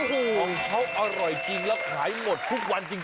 ห่วงเขาอร่อยจริงแล้วขายหมดทุกวันจริง